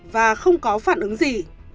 và không có phản ứng gì